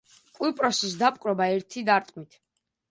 კვიპროსის დაპყრობა ერთი დარტყმით.